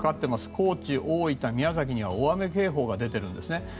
高知、大分、宮崎には大雨警報が出ているんですね。